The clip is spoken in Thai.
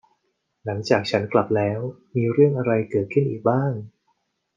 หลังจากฉับกลับแล้ว มีเรื่องอะไรเกิดขึ้นอีกบ้าง